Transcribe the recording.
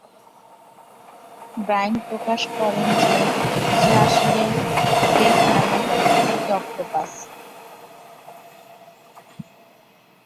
Brian প্রকাশ করেন যে সে আসলে ডেভ নামের একটি অক্টোপাস।